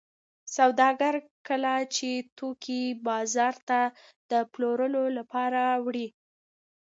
سوداګر کله چې توکي بازار ته د پلورلو لپاره وړي